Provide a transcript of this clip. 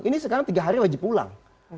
ini sekarang tiga hari wajib pulang